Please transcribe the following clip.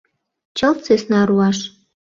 Чылт сӧсна руаш...